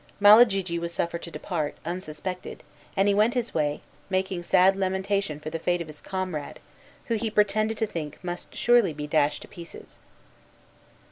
Malagigi was suffered to depart, unsuspected, and he went his way, making sad lamentation for the fate of his comrade, who he pretended to think must surely be dashed to pieces.